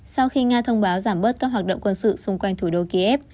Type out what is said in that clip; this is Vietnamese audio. sau khi nga thông báo giảm bớt các hoạt động quân sự xung quanh thủ đô kiev